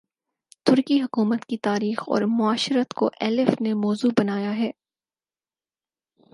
ترکی حکومت کی تاریخ اور معاشرت کو ایلف نے موضوع بنایا ہے